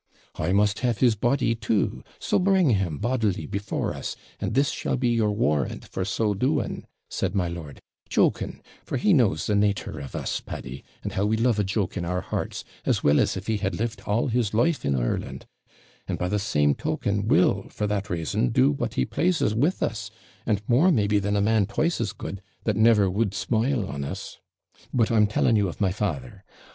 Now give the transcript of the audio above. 'I must have his body too, so bring him bodily before us; and this shall be your warrant for so doing,' said my lord, joking; for he knows the NATUR of us, Paddy, and how we love a joke in our hearts, as well as if he had lived all his life in Ireland; and by the same token will, for that rason, do what he pleases with us, and more maybe than a man twice as good, that never would smile on us. But I'm telling you of my father.